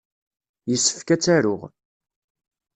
Yessefk ad tt-aruɣ.